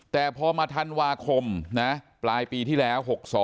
แต่พอมาธันวาคมนะปลายปีที่แล้ว๖๒